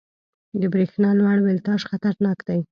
• د برېښنا لوړ ولټاژ خطرناک دی.